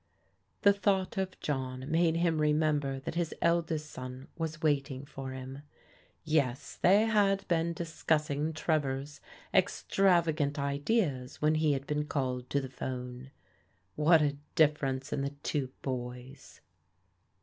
The thought of John made him remember that his eld est son was waiting for him. Yes, they had been dis cussing Trevor's extravagant ideas when he had been called to the 'phone. What a difference in the two boys